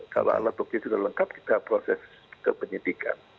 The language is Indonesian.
kalau alat alat sudah lengkap kita proses penyelidikan